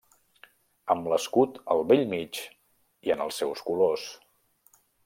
Amb l'escut al bell mig, i en els seus colors.